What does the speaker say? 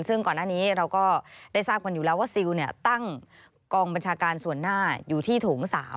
ซึ่งก่อนหน้านี้เราก็ได้ทราบกันอยู่แล้วว่าซิลตั้งกองบัญชาการส่วนหน้าอยู่ที่โถง๓